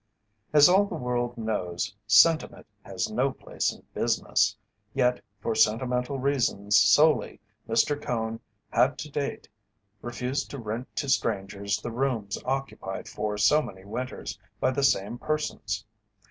As all the world knows, sentiment has no place in business, yet for sentimental reasons solely Mr. Cone had to date refused to rent to strangers the rooms occupied for so many winters by the same persons.